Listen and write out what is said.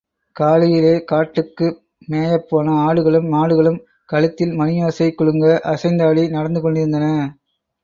காலையிலே காட்டுக்கு மேயப் போன ஆடுகளும் மாடுகளும், கழுத்தில் மணியோசை குலுங்க அசைந்தாடி நடந்து கொண்டிருந்தன.